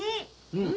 うん！